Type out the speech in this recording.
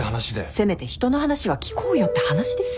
せめて人の話は聞こうよって話ですよ。